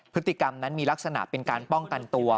พฤติกรรมนั้นมีลักษณะเป็นการป้องกันตัว